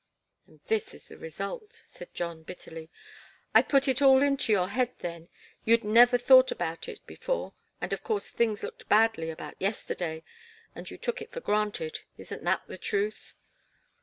"And this is the result," said John, bitterly. "I put it all into your head then. You'd never thought about it before. And of course things looked badly about yesterday and you took it for granted. Isn't that the truth?"